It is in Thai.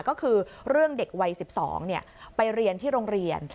ก็คือเรื่องเด็กวัย๑๒ไปเรียนที่โรงเรียน